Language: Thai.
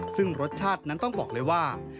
ซึ่งรสชาตินั้นต้องบอกเลยว่า